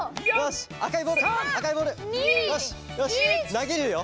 なげるよ。